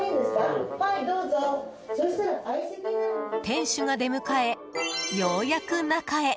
店主が出迎え、ようやく中へ。